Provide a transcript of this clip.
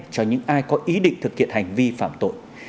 cho những ai có ý định thực hiện hành vi phạm tội